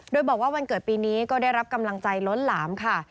โดยบอกว่าวันเกิดปีนี้ก็ได้รับกำลังใจล้นหลามค่ะ